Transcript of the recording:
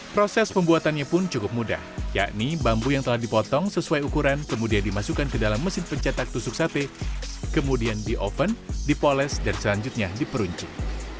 proses pembuatannya pun cukup mudah yakni bambu yang telah dipotong sesuai ukuran kemudian dimasukkan ke dalam mesin pencetak tusuk sate kemudian di oven dipoles dan selanjutnya diperuncing